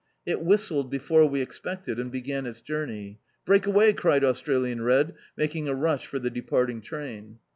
It whistled before we expected and began its journey. "Break away," cried Australian Red, making a rush for the departing train.